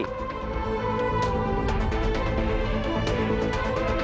sama satu lagi